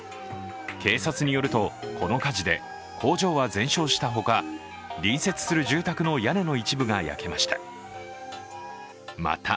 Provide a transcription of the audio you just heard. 警察によると、この火事で工場は全焼したほか隣接する住宅の屋根の一部が焼けました。